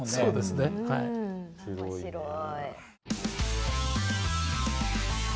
面白い。